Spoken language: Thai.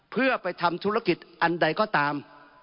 เพื่อไปทำธุรกิจอันใดก็ตาม